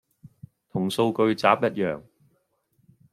同數據集一樣